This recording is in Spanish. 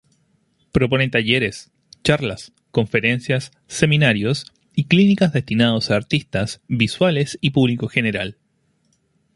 Propone talleres charlas conferencias seminarios y clínicas destinados a artistas visuales y publico general.